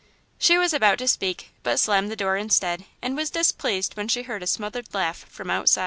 She was about to speak, but slammed the door instead, and was displeased when she heard a smothered laugh from outside.